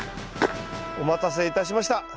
お待たせいたしました。